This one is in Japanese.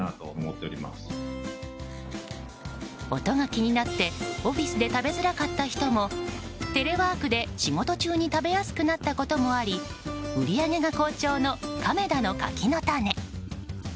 音が気になってオフィスで食べづらかった人もテレワークで仕事中に食べやすくなったこともあり売り上げが好調の亀田の柿の種。